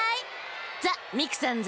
ザ・ミクさんズ